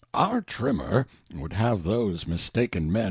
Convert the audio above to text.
Our Trimmer would have those mistaken Men.